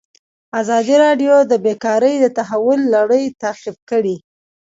ازادي راډیو د بیکاري د تحول لړۍ تعقیب کړې.